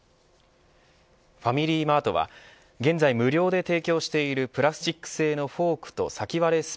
ファミリーマートは現在無料で提供しているプラスチック製のフォークと先割れ